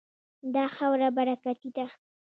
دا خاوره برکتي ده.